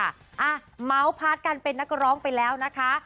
อ่ะเมาส์พาร์ทกันเป็นนักร้องไปแล้วนะคะ